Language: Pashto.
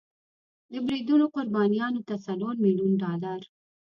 د بریدونو قربانیانو ته څلور میلیون ډالر